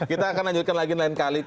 kita akan lanjutkan lagi lain kali